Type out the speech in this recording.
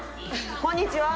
こんにちは。